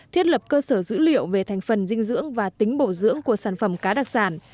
thiết lập cơ sở dữ liệu về thành phần dinh dưỡng và tính bổ dưỡng của sản phẩm cá đặc sản